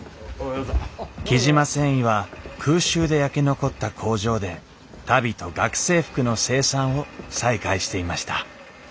雉真繊維は空襲で焼け残った工場で足袋と学生服の生産を再開していました。